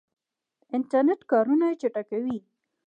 انټرنیټ کارونه چټکوي